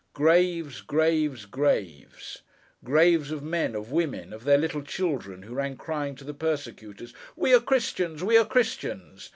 Graves, graves, graves; Graves of men, of women, of their little children, who ran crying to the persecutors, 'We are Christians! We are Christians!